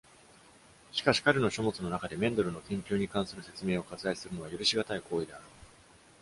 しかし、彼の書物の中でメンデルの研究に関する説明を割愛するのは、許しがたい行為であろう。